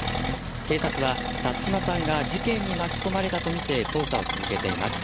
警察は、辰島さんが事件に巻き込まれたと見て捜査を続けています。